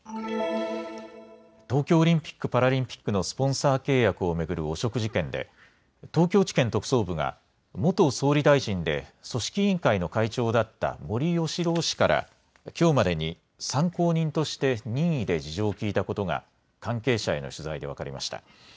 東京オリンピック・パラリンピックのスポンサー契約を巡る汚職事件で東京地検特捜部が元総理大臣で組織委員会の会長だった森喜朗氏からきょうまでに参考人として任意で事情を聴いたことが関係者への取材で分かりました。